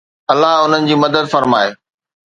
الله انهن جي مدد فرمائي